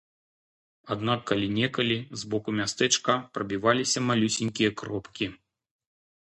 Аднак калі-нікалі з боку мястэчка прабіваліся малюсенькія кропкі.